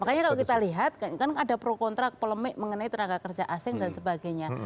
makanya kalau kita lihat kan ada pro kontrak polemik mengenai tenaga kerja asing dan sebagainya